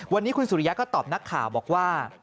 วันนี้คุณสุริยะก็ตอบนักข่าวบอกว่า